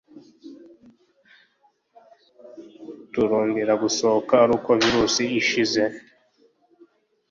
Turongera gusohoka aruko virusi ishize.